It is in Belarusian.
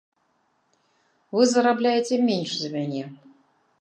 Вы зарабляеце менш за мяне.